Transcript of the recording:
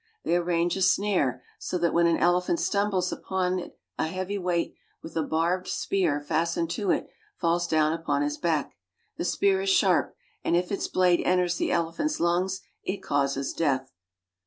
They arrange a snare, so that when an elephant stumbles upon it a heavy weight with a barbed spear fastened to it falls down upon his back. The spear is sharp, and if its blade enters the elephant's lungs, it causes death.